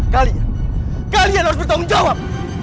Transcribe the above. kalian kalian harus bertanggung jawab